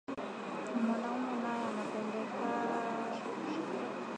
Na mwanaume naye anapendaka sana bibi waku rima